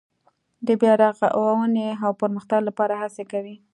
د بیا رغاونې او پرمختګ لپاره هڅې کوي.